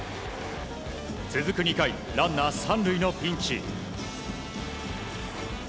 続く２回、ランナー３塁のピンチ。